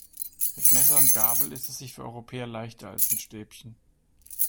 Mit Messer und Gabel isst es sich für Europäer leichter als mit Stäbchen.